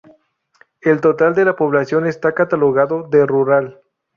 El total de la población está catalogado de rural.